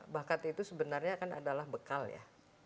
bakat itu sebenarnya kan adalah bekal ya